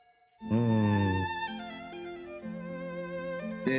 うん。